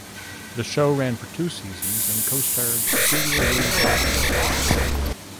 The show ran for two seasons and co-starred Julia Louis-Dreyfus.